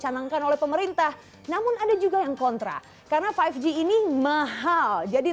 apa yang terjadi